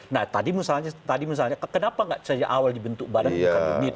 nah tadi misalnya kenapa nggak sejak awal dibentuk badan bukan duit